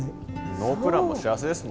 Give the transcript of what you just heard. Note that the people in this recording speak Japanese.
ノープランも幸せですもんね。